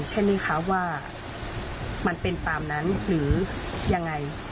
ใช่ไหมคะว่ามันเป็นตามนั้นหรือยังไง